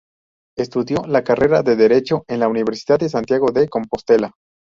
Estudió la carrera de Derecho en la universidad de Santiago de Compostela.